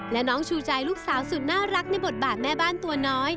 และน้องชูใจลูกสาวสุดน่ารักในบทบาทแม่บ้านตัวน้อย